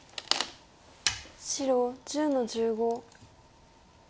白１０の十五。